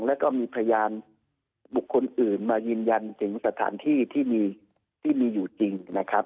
แล้วก็มีพยานบุคคลอื่นมายืนยันถึงสถานที่ที่มีอยู่จริงนะครับ